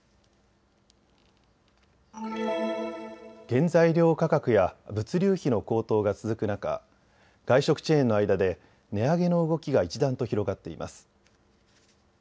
原材料価格や物流費の高騰が続く中、外食チェーンの間で値上げの動きが一段と広がっています。